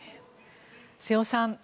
瀬尾さん